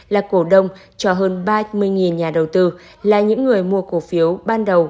là cổ đông cho hơn ba mươi nhà đầu tư là những người mua cổ phiếu ban đầu